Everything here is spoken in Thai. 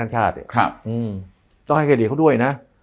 ต้องครีดิเหมือนเขาด้วยนะ